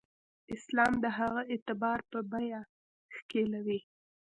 اسلام د هغه اعتبار په بیه ښکېلوي.